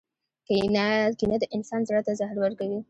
• کینه د انسان زړۀ ته زهر ورکوي.